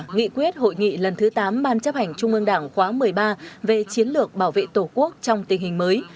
nghị quyết hội nghị lần thứ tám ban chấp hành trung ương đảng khóa một mươi ba về chiến lược bảo vệ tổ quốc trong tình hình mới